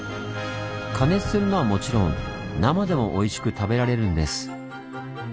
加熱するのはもちろん生でもおいしく食べられるんです。